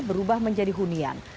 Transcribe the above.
berubah menjadi hunian